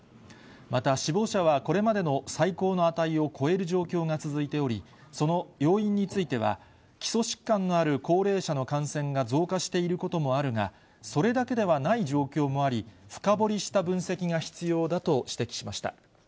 また死亡者はこれまでの最高の値を超える状況が続いており、その要因については、基礎疾患のある高齢者の感染が増加していることもあるが、それだけではない状況もあり、深掘りした分析が必要だと指摘しました。